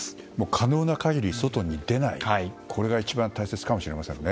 可能な限り外に出ないこれが一番大切かもしれませんね。